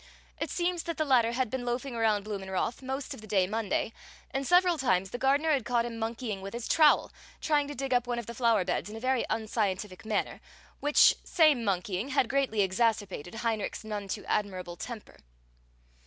It seems that the latter had been loafing around Blumenroth most of the day Monday, and several times the gardener had caught him monkeying with his trowel, trying to dig up one of the flower beds in a very unscientific manner, which same monkeying had greatly exacerbated Heinrich's none too admirable temper.